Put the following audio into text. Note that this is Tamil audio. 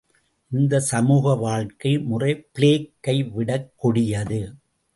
இந்தச் சமூக வாழ்க்கை முறை பிளேக் கை விடக் கொடியது!